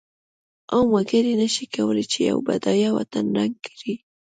عام وګړی نشی کولای چې یو بډایه وطن ړنګ کړی.